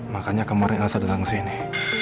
makanya kemarin elsa datang kesini